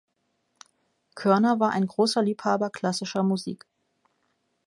Körner war ein großer Liebhaber klassischer Musik.